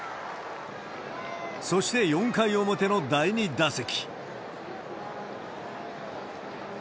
そして４回表の第２打席。